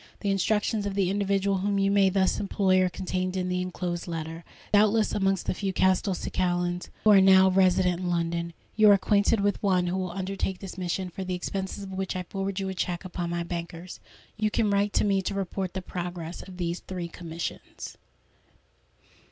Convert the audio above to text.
The instructions of the individual whom you may thus employ are contained in the enclosed letter. Doubtless, amongst the few Castelcicalans who are now resident in London, you are acquainted with one who will undertake this mission, for the expenses of which I forward you a cheque upon my bankers. "You can write to me to report the progress of these three commissions."